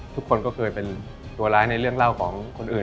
ทุกคนก็เพิ่งตัวร้ายในเรื่องร่าของคนอื่น